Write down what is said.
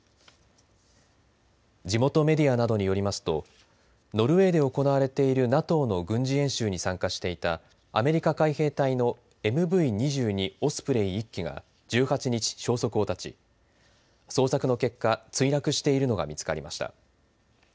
地元メディアなどによりますとノルウェーで行われているＮＡＴＯの軍事演習に参加していたアメリカ海兵隊のＭＶ２２オスプレイ１機が１８日、消息を絶ち捜索の結果墜落しているのが見つかりました。